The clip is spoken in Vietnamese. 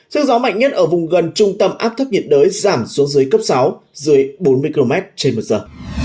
sức gió mạnh nhất ở vùng gần tâm áp thấp nhiệt đới giảm xuống dưới cấp sáu dưới bốn mươi km trên một giờ